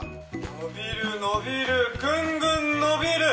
伸びる伸びるグングン伸びる！